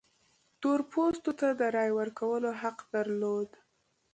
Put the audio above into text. تور پوستو ته د رایې ورکولو حق درلود.